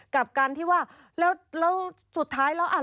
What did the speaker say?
กับการที่ว่าแล้วสุดท้ายแล้วอ่ะ